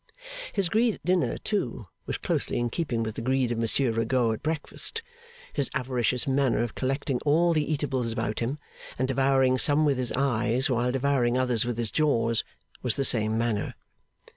His greed at dinner, too, was closely in keeping with the greed of Monsieur Rigaud at breakfast. His avaricious manner of collecting all the eatables about him, and devouring some with his eyes while devouring others with his jaws, was the same manner.